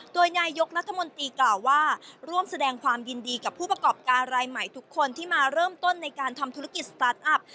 โดยนายกรัฐมนตรีกล่าวว่าร่วมแสดงความยินดีกับผู้ประกอบการรายใหม่ทุกคนที่มาเริ่มต้นในการทำธุรกิจสตาร์ทอัพ